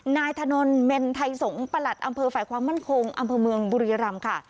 นายถนนเมนไทยสงศ์ประหลัดอำเภอฝ่ายความมั่นคงอำเภอเมืองบุรีรำค่ะ